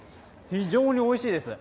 非常においしいです。